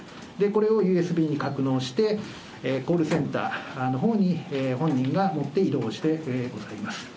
これをＵＳＢに格納して、コールセンターのほうに本人が持って移動してございます。